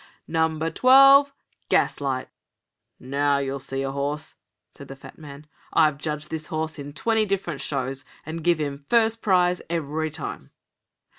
"Number Twelve, Gaslight!" "Now, you'll see a horse," said the fat man. "I've judged this 'orse in twenty different shows, and gave him first prize every time!"